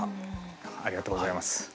ありがとうございます。